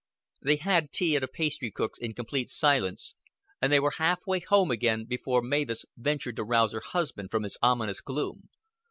They had tea at a pastry cook's in complete silence, and they were half way home again before Mavis ventured to rouse her husband from his ominous gloom.